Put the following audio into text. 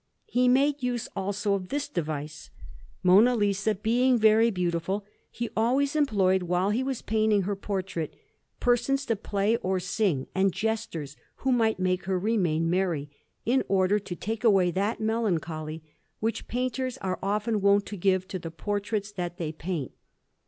He made use, also, of this device: Monna Lisa being very beautiful, he always employed, while he was painting her portrait, persons to play or sing, and jesters, who might make her remain merry, in order to take away that melancholy which painters are often wont to give to the portraits that they paint.